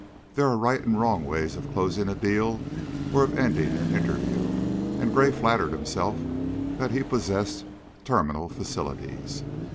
There are right and wrong ways of closing a deal or of ending an interview, and Gray flattered himself that he possessed "terminal facilities."